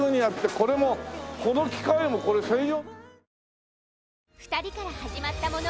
これもこの機械もこれ専用。